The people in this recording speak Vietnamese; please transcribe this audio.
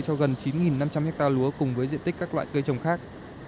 cho gần chín năm trăm linh hectare lúa cùng với diện tích các loại cây trồng khác